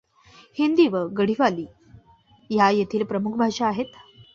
हिंदी व गढवाली ह्या येथील प्रमुख भाषा आहेत.